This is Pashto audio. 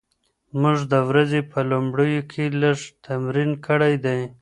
موږ د ورځې په لومړیو کې لږ تمرین کړی دی.